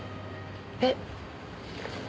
えっ？